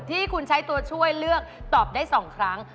ที่คุณใช้ตัวช่วยเลือกตอบได้๒ครั้ง